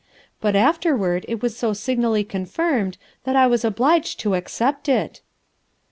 But afterward it was so signally con firmed that I was obliged to accept it."